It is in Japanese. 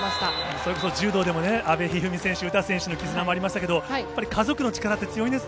それこそ柔道でもね、阿部一二三選手、詩選手の絆もありましたけど、やっぱり家族の力って強いんです